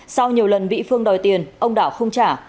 sau nhiều lần bị phương đòi tiền ông đảo không trả